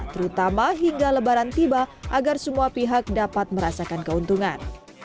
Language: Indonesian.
terutama hingga lebaran tiba agar semua pihak dapat merasakan keuntungan